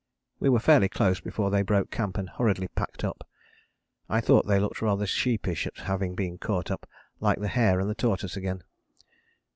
We were fairly close before they broke camp and hurriedly packed up. I thought they looked rather sheepish at having been caught up, like the hare and the tortoise again.